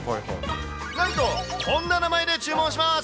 なんと、こんな名前で注文します。